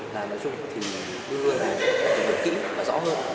là nói chung thì luôn luôn là phải tìm hiểu kỹ và rõ hơn